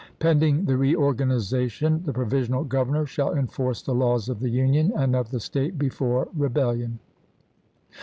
Pending the reor ganization, the provisional governor shall enforce the laws of the Union, and of the State before re bellion.